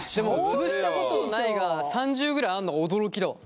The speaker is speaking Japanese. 潰したことないが３０ぐらいあんの驚きだわ。